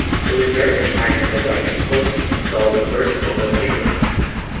It was during this time that the Reichspost installed the first public videophone.